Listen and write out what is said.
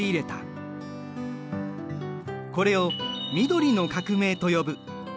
これを緑の革命と呼ぶ。